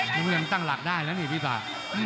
มันยังตั้งหลักได้แล้วนี่พี่ป่า